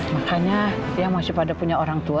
makanya yang masih pada punya orang tuanya